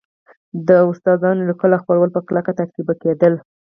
د داستانونو لیکل او خپرول په کلکه تعقیب کېدل